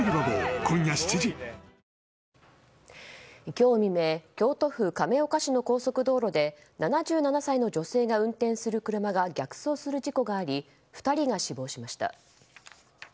今日未明京都府亀岡市の高速道路で７７歳の女性が運転する車が逆走する事故があり２人が死亡しました。